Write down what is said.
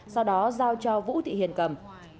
sau đó giao cho vũ thị hiền cầm